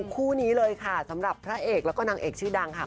คู่นี้เลยค่ะสำหรับพระเอกแล้วก็นางเอกชื่อดังค่ะ